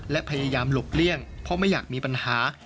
และพยายามหลบเลี่ยงเพราะไม่อยากมีปัญหา